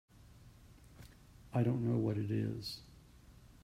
I don't know what it is.